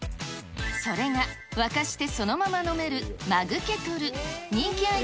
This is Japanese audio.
それが、沸かしてそのまま飲めるマグケトル。